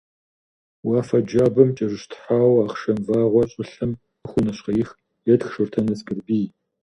«Уафэ джабэм кӀэрыщтхьауэ Ахъшэм вагъуэр щӀылъэм къыхуонэщхъеих», - етх Шортэн Аскэрбий.